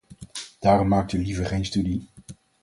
Daarom maakt u liever geen studie.